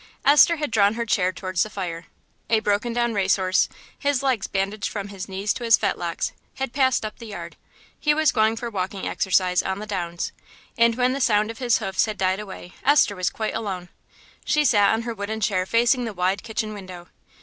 Esther had drawn her chair towards the fire. A broken down race horse, his legs bandaged from his knees to his fetlocks, had passed up the yard; he was going for walking exercise on the downs, and when the sound of his hoofs had died away Esther was quite alone. She sat on her wooden chair facing the wide kitchen window.